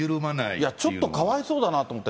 いや、ちょっとかわいそうだなと思って。